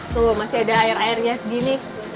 tuh masih ada air airnya segini